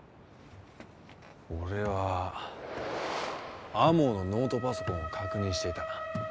俺は天羽のノートパソコンを確認していた。